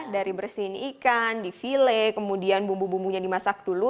dari bersihin ikan di file kemudian bumbu bumbunya dimasak dulu